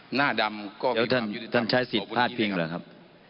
หน้าดำก็มีความยุติธรรมโบบุญจิ้นนะครับ